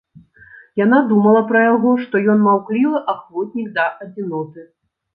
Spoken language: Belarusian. Яна думала пра яго, што ён маўклівы ахвотнік да адзіноты.